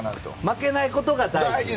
負けないことが大事。